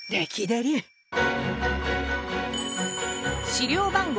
資料番号